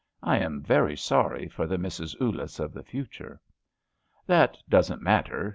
I am very sorry for the Mrs. Ouless of the future. That doesn't matter.